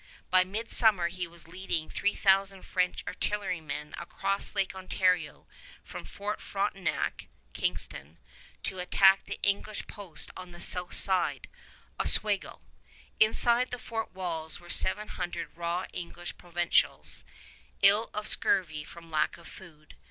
By midsummer he was leading three thousand French artillerymen across Lake Ontario from Fort Frontenac (Kingston), to attack the English post on the south side, Oswego. Inside the fort walls were seven hundred raw English provincials, ill of scurvy from lack of food.